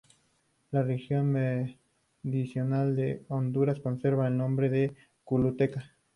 La región meridional de Honduras conserva el nombre de Choluteca.